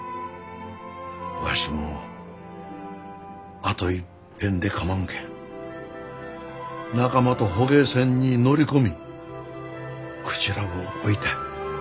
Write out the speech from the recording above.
わしもあといっぺんでかまんけん仲間と捕鯨船に乗り込みクジラを追いたい。